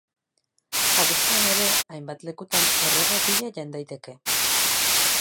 Abuztuan ere hainbat lekutan errege opila jan daiteke!